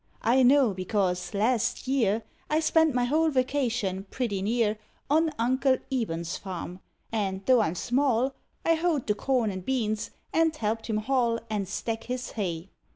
I know, because, last year I spent my whole vacation, pretty near, On Uncle Eben s farm, and though I m small, 1 hoed the corn and beans, and helped him haul And stack his hay.